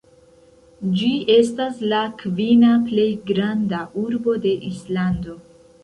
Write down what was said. Ĝi estas la kvina plej granda urbo de Islando.